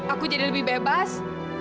aku jadi lebih bebas